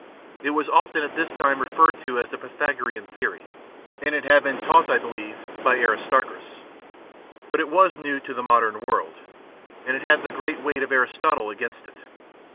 It was often at this time referred to as the Pythagorean theory, and it had been taught, I believe, by Aristarchus. But it was new to the modern world, and it had the great weight of Aristotle against it.